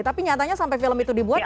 tapi nyatanya sampai film itu dibuat